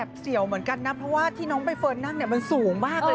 เสี่ยวเหมือนกันนะเพราะว่าที่น้องใบเฟิร์นนั่งเนี่ยมันสูงมากเลย